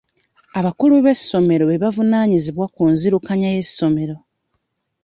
Abakulu b'amasomero be bavunaanyizibwa ku nzirukanya y'essomero.